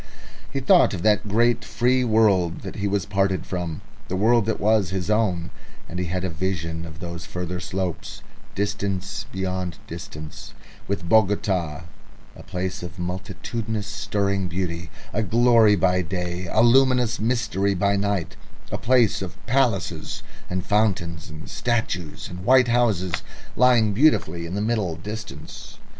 He thought of that great free world he was parted from, the world that was his own, and he had a vision of those further slopes, distance beyond distance, with Bogota, a place of multitudinous stirring beauty, a glory by day, a luminous mystery by night, a place of palaces and fountains and statues and white houses, lying beautifully in the middle distance.